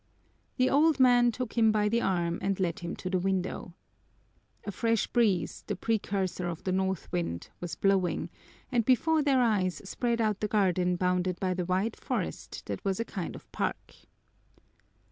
The old man took him by the arm and led him to the window. A fresh breeze, the precursor of the north wind, was blowing, and before their eyes spread out the garden bounded by the wide forest that was a kind of park.